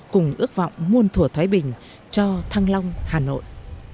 cùng ước vọng muôn thủa thái bình cho thăng long hà nội